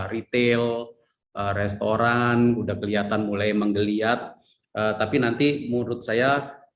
retail restoran udah kelihatan mulai menggeliat tapi nanti menurut saya